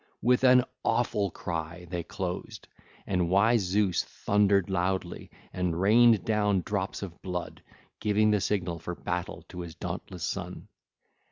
With an awful cry they closed: and wise Zeus thundered loudly and rained down drops of blood, giving the signal for battle to his dauntless son.